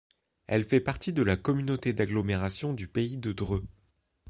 Elle fait partie de la communauté d'agglomération du Pays de Dreux.